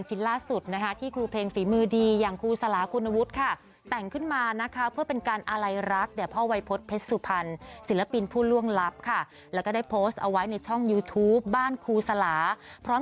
จำต้องปิดล้ม